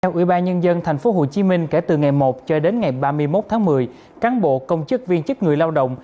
theo ubnd tp hcm kể từ ngày một cho đến ngày ba mươi một tháng một mươi cán bộ công chức viên chức người lao động